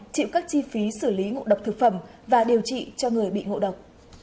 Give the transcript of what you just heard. chịu các chi phí xử lý ngụ độc thực phẩm và điều trị cho người bị ngộ độc